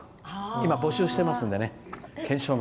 今、募集してますので。